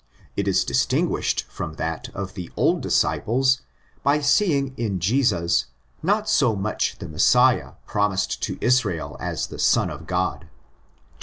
It is distinguished from that of the old disciples by seeing in Jesus not so much the Messiah promised to Israel as the '' Son of God "' (ix.